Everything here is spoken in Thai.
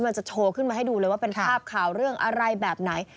มันจะโชว์ขึ้นมาให้ดูเลยว่าเป็นภาพข่าวเรื่องอะไรแบบไหน